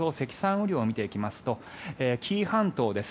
雨量を見ていきますと紀伊半島です